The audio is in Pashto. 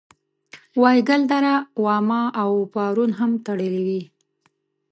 وایګل دره واما او پارون هم تړلې وې.